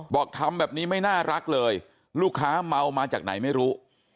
ทำแบบนี้ไม่น่ารักเลยลูกค้าเมามาจากไหนไม่รู้